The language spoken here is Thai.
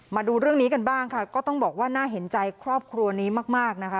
มาดูเรื่องนี้กันบ้างค่ะก็ต้องบอกว่าน่าเห็นใจครอบครัวนี้มากมากนะคะ